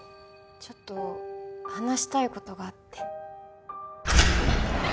ちょっと話したい事があって。